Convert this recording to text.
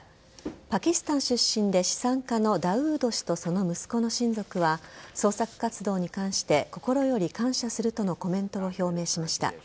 パキスタン出身で資産家のダウード氏と、その息子の親族は捜索活動に関して心より感謝するとのコメントを表明しました。